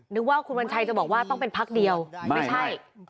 นึกว่าคุณวัญชัยจะบอกว่าต้องเป็นพักเดียวไม่ใช่